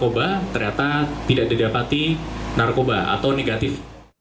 narkoba ternyata tidak didapati narkoba atau negatif